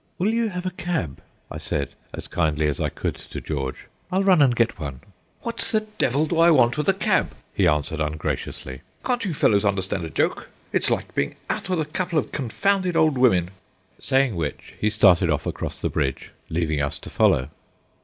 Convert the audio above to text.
"Will you have a cab?" I said as kindly as I could to George. "I'll run and get one." "What the devil do I want with a cab?" he answered, ungraciously. "Can't you fellows understand a joke? It's like being out with a couple of confounded old women," saying which, he started off across the bridge, leaving us to follow.